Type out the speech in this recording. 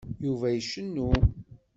Yuba icennu.